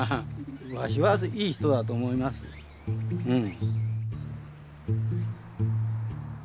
わしはいい人だと思いますうん。